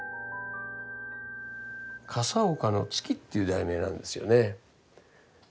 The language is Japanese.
「笠岡之月」っていう題名なんですよね。